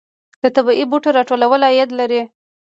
د طبیعي بوټو راټولول عاید لري